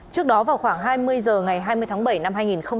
trước đó vào khoảng hai mươi giờ ngày hai mươi tháng bảy năm hai nghìn một mươi tám